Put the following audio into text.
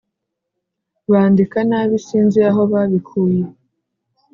bandika nabi sinzi aho babikuye